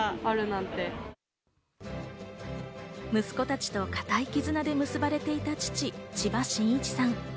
息子たちと固い絆で結ばれていた父・千葉真一さん。